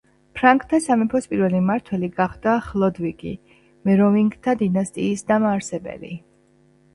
ფრანკთა სამეფოს პირველი მმართველი გახდა ხლოდვიგი, მეროვინგთა დინასტიის დამაარსებელი.